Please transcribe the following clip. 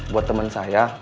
buat temen saya